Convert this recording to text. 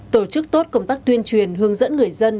tổ chức tốt công tác tuyên truyền hướng dẫn người dân